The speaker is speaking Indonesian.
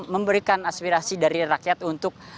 memberikan aspirasi dari rakyat untuk